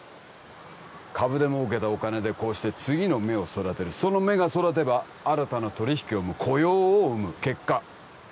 株で儲けたお金でこうして次の芽を育てるその芽が育てば新たな取引を生む雇用を生む結果